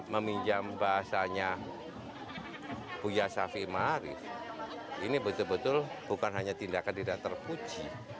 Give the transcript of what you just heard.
meminjam bahasanya puyasafi marif ini betul betul bukan hanya tindakan tidak terpuji